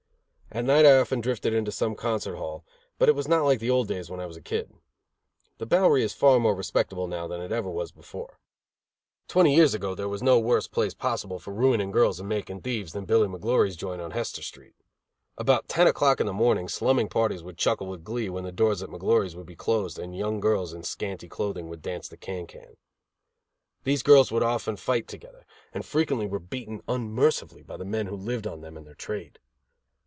At night I often drifted into some concert hall, but it was not like the old days when I was a kid. The Bowery is far more respectable now than it ever was before. Twenty years ago there was no worse place possible for ruining girls and making thieves than Billy McGlory's joint on Hester Street. About ten o'clock in the morning slumming parties would chuckle with glee when the doors at McGlory's would be closed and young girls in scanty clothing, would dance the can can. These girls would often fight together, and frequently were beaten unmercifully by the men who lived on them and their trade.